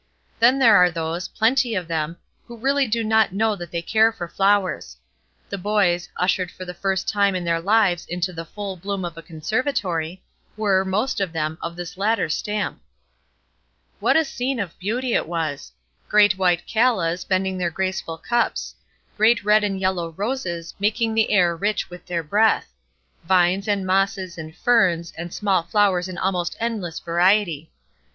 Then there are those, plenty of them, who really do not know that they care for flowers. The boys, ushered for the first time in their lives into the full bloom of a conservatory, were, most of them, of this latter stamp. What a scene of beauty it was! Great white callas, bending their graceful cups; great red and yellow roses, making the air rich with their breath; vines and mosses and ferns and small flowers in almost endless variety.